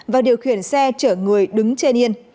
và điều khiển xe chở người đứng trên yên